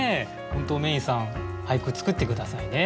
本当Ｍａｙ’ｎさん俳句作って下さいね。